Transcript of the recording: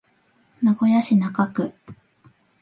名古屋市中区